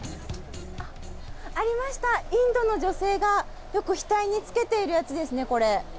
ありました、インドの女性がよく額につけているやつですね、これ。